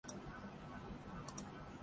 ایسی نہیں جس سے یہ ثابت کیا جا سکے کہ حکومت